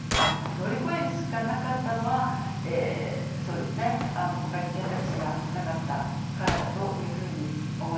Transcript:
乗り越えるしかなかったのはそうですねほかに選択肢がなかったからだというふうに思います。